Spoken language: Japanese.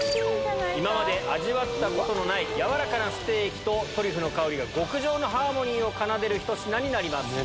今まで味わったことのない軟らかなステーキとトリュフの香りが極上のハーモニーを奏でるひと品になります。